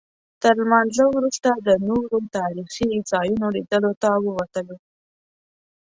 تر لمانځه وروسته د نورو تاریخي ځایونو لیدلو ته ووتلو.